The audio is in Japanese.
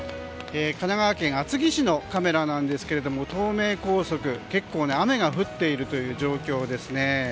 神奈川県厚木市のカメラですが東名高速、結構雨が降っている状況ですね。